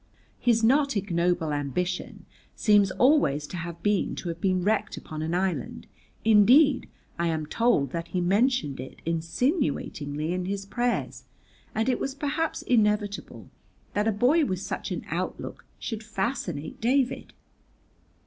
His not ignoble ambition seems always to have been to be wrecked upon an island, indeed I am told that he mentioned it insinuatingly in his prayers, and it was perhaps inevitable that a boy with such an outlook should fascinate David.